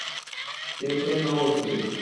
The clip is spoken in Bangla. তিনি ছিলেন নও মুসলিম।